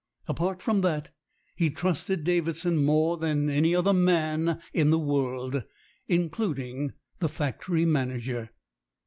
Apart from that, he trusted Davidson more than any other man in the world, including the factory manager.